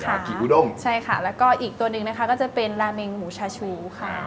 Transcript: กี่อูด้งใช่ค่ะแล้วก็อีกตัวหนึ่งนะคะก็จะเป็นราเมงหมูชาชูค่ะ